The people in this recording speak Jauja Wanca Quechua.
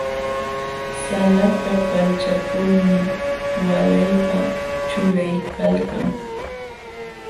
Salata kalchaykulmi walaypa ćhulaykalkan.